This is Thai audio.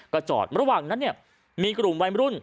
ก็จอดระหว่างนั้นเนี่ยมีกลุ่มวัยรุ่น